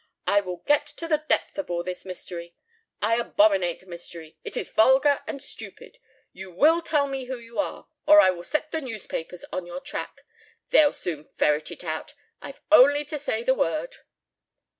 I will get to the depth of all this mystery. I abominate mystery. It is vulgar and stupid. You will tell me who you are, or I will set the newspapers on your track. They'll soon ferret it out. I've only to say the word."